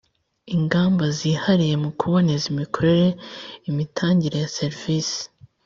ingamba zihariye mu kuboneza imikorere imitangire ya ser isi